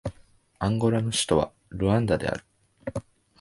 アンゴラの首都はルアンダである